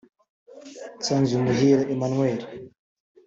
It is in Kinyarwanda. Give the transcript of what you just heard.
Nsanzumuhire Emmanuel